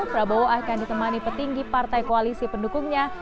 prabowo akan ditemani petinggi partai koalisi pendukungnya